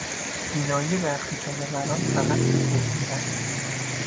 بینایی برخی جانوران فقط دو بعدی است.